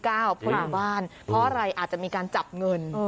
เพราะอยู่บ้านเพราะอะไรอาจจะมีการจับเงิน